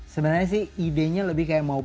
sebenarnya sih idenya lebih kayak mau